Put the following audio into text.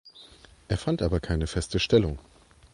Er fand aber keine feste Stellung.